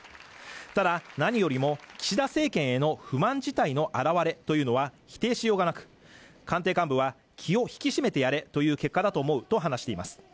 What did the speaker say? ただ何よりも岸田政権への不満自体の表れというのは否定しようがなく官邸幹部は気を引き締めてやれという結果だと思うと話しています